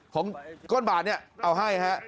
ของก้นบาทเนี่ยเอาให้เลยค่ะ